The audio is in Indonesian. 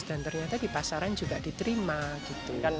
dan ternyata di pasaran juga diterima